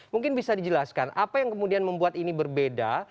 mungkin bisa dijelaskan apa yang kemudian membuat ini berbeda